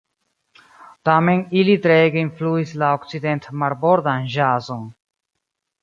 Tamen ili treege influis la okcident-marbordan ĵazon.